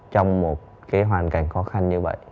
trong một cái hoàn cảnh khó khăn như vậy